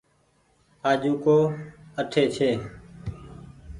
آجو ڪو اٺي ڇي ۔